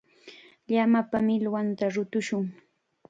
Llamapa millwanta rutushun.